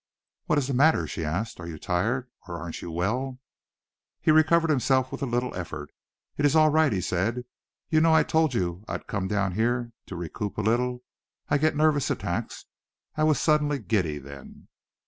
"What is the matter?" she asked. "Are you tired, or aren't you well?" He recovered himself with a little effort. "It is all right," he said. "You know I told you I'd come down here to recoup a little. I get nervous attacks. I was suddenly giddy then."